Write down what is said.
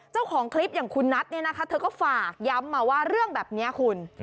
เจ้าของคลิปอย่างคุณนัทเนี่ยนะคะเธอก็ฝากย้ำมาว่าเรื่องแบบนี้คุณ